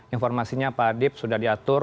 informasinya pak adip sudah diatur